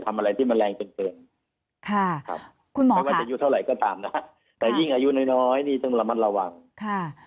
กล้ามเมืองคอเขายังไม่แข็งแรงพอ